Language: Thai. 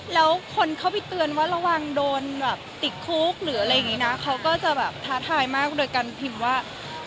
แล้วคนเข้าไปเตือนว่าระวังโดนติดคุกเขาก็จะท้าทายมากโดยการพิมพ์ว่า